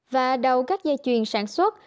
và đầu các dây chuyền sản xuất